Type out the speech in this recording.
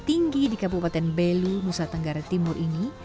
tinggi di kabupaten belu nusa tenggara timur ini